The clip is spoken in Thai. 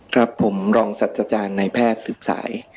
ครับผมรองสัจจลายในแพทย์สึกสาย